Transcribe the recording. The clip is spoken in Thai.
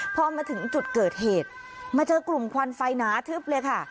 พอมาถึงจุดเกิดเหตุมาเจอกลุ่มควันไฟหนาทึบเลยค่ะ